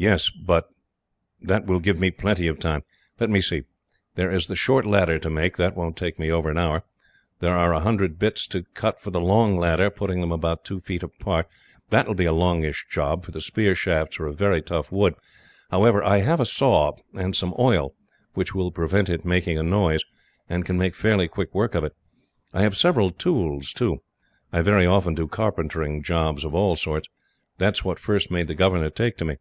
"Yes, that will give me plenty of time. Let me see. There is the short ladder to make. That won't take me over an hour. There are a hundred bits to cut for the long ladder, putting them about two feet apart. That will be a longish job, for the spear shafts are of very tough wood. However, I have a saw, and some oil, which will prevent it making a noise, and can make fairly quick work of it. I have several tools, too. I very often do carpentering jobs of all sorts that is what first made the governor take to me.